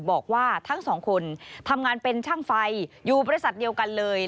บอกว่าทั้งสองคนทำงานเป็นช่างไฟอยู่บริษัทเดียวกันเลย